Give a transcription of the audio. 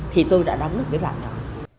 thì tôi đã đóng được cái đoạn đó